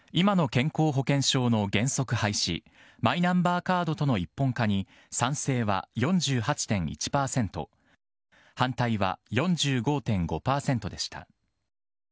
今の健康保険証の原則廃止マイナンバーカードとの一本化に賛成は４８．１％反対派４５．５％でした。